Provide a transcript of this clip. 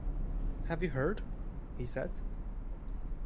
“Have you heard?” he said.